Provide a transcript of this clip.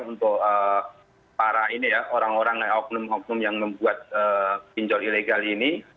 untuk para ini ya orang orang oknum oknum yang membuat pinjol ilegal ini